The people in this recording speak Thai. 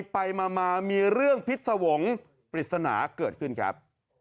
ไปมามีเรื่องพิษสวงศ์ปริศนาเกิดขึ้นครับ